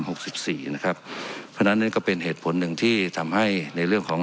นะครับเพราะฉะนั้นก็เป็นเหตุผลหนึ่งที่ทำให้ในเรื่องของ